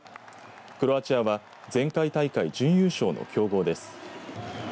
クロアチアは前回大会準優勝の強豪です。